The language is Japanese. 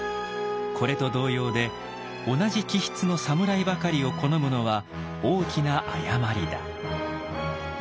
これと同様で同じ気質の侍ばかりを好むのは大きな誤りだ」。